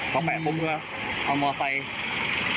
พอแปะมุมเพื่อเอามอไซค์